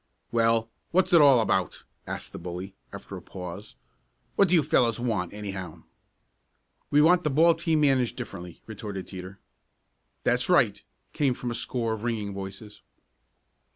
"Well, what's it all about?" asked the bully, after a pause. "What do you fellows want, anyhow?" "We want the ball team managed differently," retorted Teeter. "That's right!" came from a score of ringing voices.